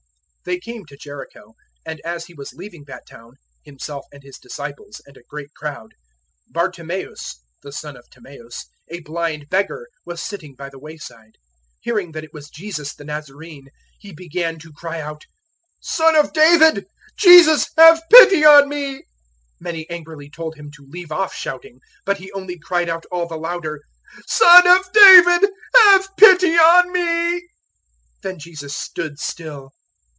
010:046 They came to Jericho; and as He was leaving that town Himself and His disciples and a great crowd Bartimaeus (the son of Timaeus), a blind beggar, was sitting by the way side. 010:047 Hearing that it was Jesus the Nazarene, he began to cry out, "Son of David, Jesus, have pity on me." 010:048 Many angrily told him to leave off shouting; but he only cried out all the louder, "Son of David, have pity on me." 010:049 Then Jesus stood still.